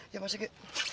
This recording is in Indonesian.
ya mas yuki